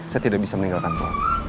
saya tidak bisa meninggalkan pohon